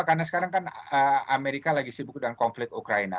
karena sekarang kan amerika lagi sibuk dengan konflik ukraina